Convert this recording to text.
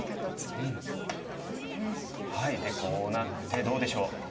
でこうなってどうでしょう？